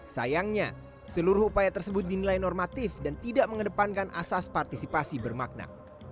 sayangnya seluruh upaya tersebut dinilai normatif dan tidak mengedepankan asas partisipasi bermakna